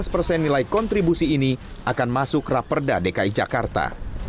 lima belas persen nilai kontribusi ini akan masuk raperda dki jakarta